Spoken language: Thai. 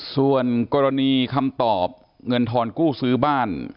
ส่วนกรณีคำตอบเงินทอนกู้ซื้อบ้าน